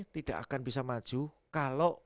tidak akan bisa maju kalau